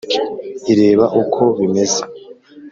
ireba uko bimeze